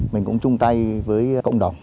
mình cũng chung tay với cộng đồng